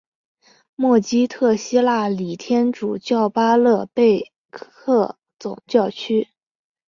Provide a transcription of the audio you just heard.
默基特希腊礼天主教巴勒贝克总教区。